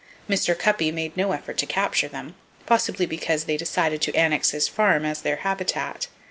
Mr. Cuppy made no effort to capture them, possibly because they decided to annex his farm as their habitat.